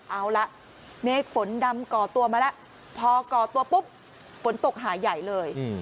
เอาละเมฆฝนดำก่อตัวมาแล้วพอก่อตัวปุ๊บฝนตกหาใหญ่เลย